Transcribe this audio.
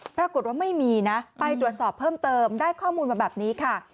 ปรากฏว่าไม่มีนะไปตรวจสอบเพิ่มเติมได้ข้อมูลมาแบบนี้ค่ะ